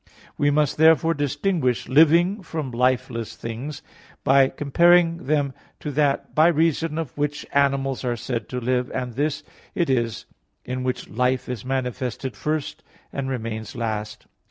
We must, therefore, distinguish living from lifeless things, by comparing them to that by reason of which animals are said to live: and this it is in which life is manifested first and remains last.